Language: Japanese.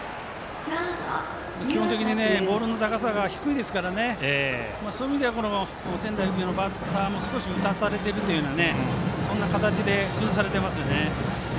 基本的にボールの高さが低いですからそういう意味では仙台育英のバッターは少し打たされているような形で崩されてますね。